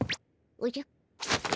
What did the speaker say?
おじゃ？